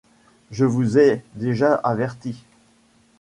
Je vous ai déjà avertis.